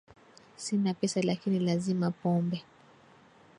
Sina pesa lakini lazima pombe